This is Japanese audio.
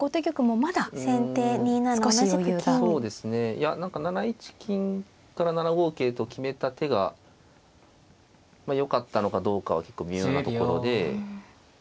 いや何か７一金から７五桂と決めた手がよかったのかどうかは結構微妙なところで。